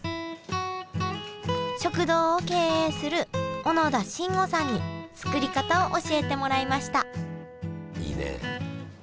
食堂を経営する小野田真悟さんに作り方を教えてもらいましたいいね。